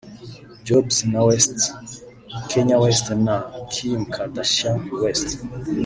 Jobs na West [Kanye West na Kim Kardashian West]